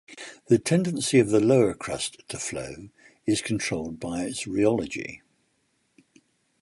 The tendency of the lower crust to flow is controlled by its rheology.